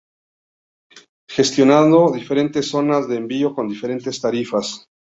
Gestionando diferentes zonas de envío con diferentes tarifas.